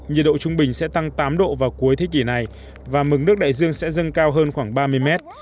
nhiệt độ trung bình sẽ tăng tám độ vào cuối thế kỷ này và mừng nước đại dương sẽ dâng cao hơn khoảng ba mươi mét